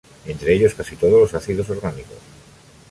Entre ellos, casi todos los ácidos orgánicos.